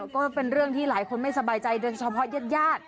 ก็เป็นเรื่องที่หลายคนไม่สบายใจโดยเฉพาะญาติญาติ